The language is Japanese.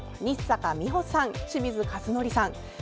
日坂美穂さん、清水一憲さん。